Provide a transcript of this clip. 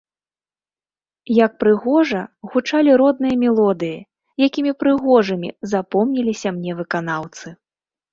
Як прыгожа гучалі родныя мелодыі, якімі прыгожымі запомніліся мне выканаўцы!